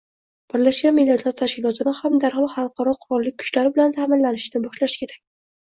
Birlashgan Millatlar Tashkilotini ham darhol xalqaro qurolli kuchlar bilan ta’minlashni boshlash kerak